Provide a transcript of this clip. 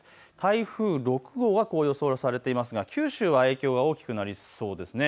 台風６号は予想されていますが九州は影響が大きくなりそうです。